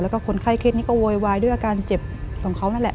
แล้วก็คนไข้เคสนี้ก็โวยวายด้วยอาการเจ็บของเขานั่นแหละ